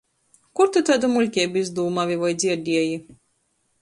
Kur tu taidu muļkeibu izdūmuoji voi dzierdieji?